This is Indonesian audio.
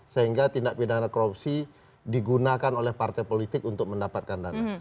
sehingga tindak pidana korupsi digunakan oleh partai politik untuk mendapatkan dana